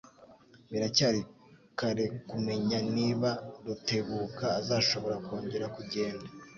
Biracyari kare kumenya niba Rutebuka azashobora kongera kugenda.